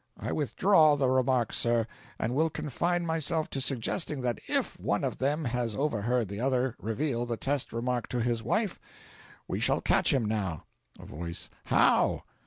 I withdraw the remark, sir, and will confine myself to suggesting that IF one of them has overheard the other reveal the test remark to his wife, we shall catch him now." A Voice. "How?"